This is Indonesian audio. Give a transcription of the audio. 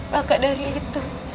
maka dari itu